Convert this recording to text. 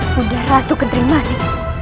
bunda ratu kenderimani